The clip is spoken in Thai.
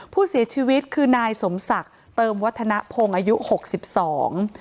ผู้เสียชีวิตคือนายสมศักดิ์เติมวัฒนภงอายุหกสิบสอง